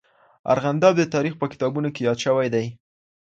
ارغنداب د تاریخ په کتابونو کې یاد سوی دی.